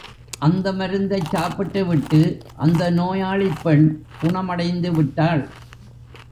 அந்த மருந்தைச் சாப்பிட்டு விட்டு அந்த நோயாளிப் பெண் குணமடைந்து விட்டாள்!